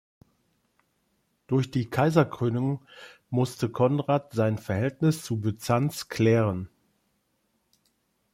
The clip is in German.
Durch die Kaiserkrönung musste Konrad sein Verhältnis zu Byzanz klären.